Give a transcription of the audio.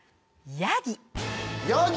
ヤギ？